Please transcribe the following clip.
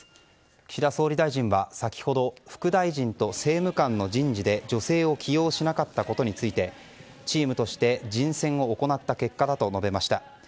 岸田総理大臣は先ほど副大臣と政務官の人事で女性を起用しなかったことについてチームとして人選を行った結果だと述べました。